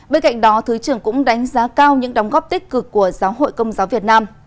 bên cạnh đó thứ trưởng cũng đánh giá cao những đóng góp tích cực của giáo hội công giáo việt nam